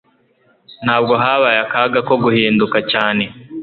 Ntabwo habaye akaga ko guhinduka cyane